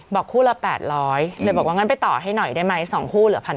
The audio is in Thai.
บอกคู่ละ๘๐๐เลยบอกว่างั้นไปต่อให้หน่อยได้ไหม๒คู่เหลือ๑๐๐